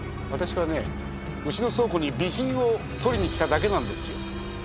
私はねうちの倉庫に備品を取りに来ただけなんですよ。